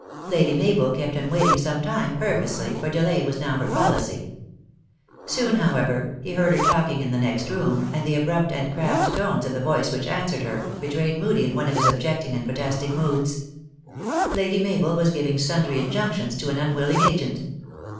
Lady Mabel kept him waiting some time, purposely, for delay was now her policy. Soon, however, he heard her talking in the next room, and the abrupt and crabbed tones of the voice which answered her, betrayed Mood 5 e in one of his objecting and protest ing moods. Lady Mabel was giving sundry injunctions to an unwilling agent.